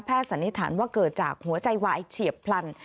สันนิษฐานว่าเกิดจากหัวใจวายเฉียบพลัน